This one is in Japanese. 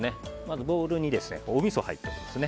ボウルにおみそが入っています。